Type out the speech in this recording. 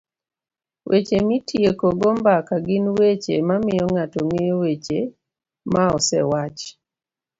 Weche mitiekogo mbaka gin weche mamiyo ng'ato ng'eyo weche maosewach